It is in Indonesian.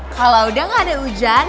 kalo udah ngga ada ujan